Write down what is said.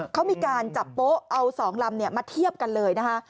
เขามีการจับโป๊ะเอา๒ลำมาเทียบกันเลยนะคะ